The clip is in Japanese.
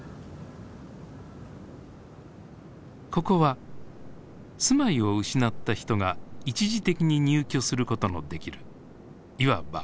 ここは住まいを失った人が一時的に入居することのできるいわば避難所。